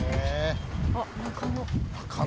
あっ「中野」。